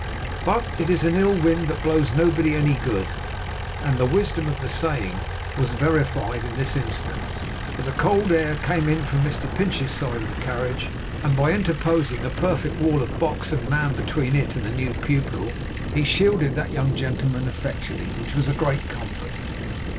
But it is an ill wind that blows nobody any good; and the wisdom of the saying was verified in this instance; for the cold air came from Mr Pinch's side of the carriage, and by interposing a perfect wall of box and man between it and the new pupil, he shielded that young gentleman effectually; which was a great comfort.